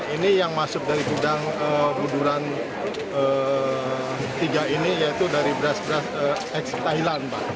ini yang masuk dari gudang buduran tiga ini yaitu dari beras beras eks thailand